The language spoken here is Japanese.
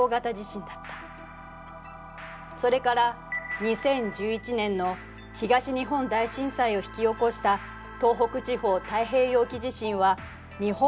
それから２０１１年の東日本大震災を引き起こした東北地方太平洋沖地震は日本海溝が震源。